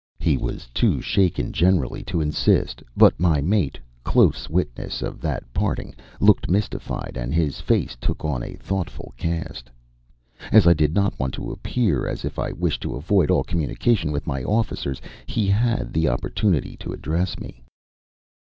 He was too shaken generally to insist, but my mate, close witness of that parting, looked mystified and his face took on a thoughtful cast. As I did not want to appear as if I wished to avoid all communication with my officers, he had the opportunity to address me.